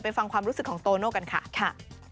ฟังความรู้สึกของโตโน่กันค่ะ